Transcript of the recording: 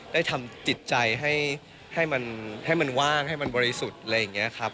ได้ทำจิตใจให้มันว่างให้มันบริสุทธิ์อะไรอย่างนี้ครับ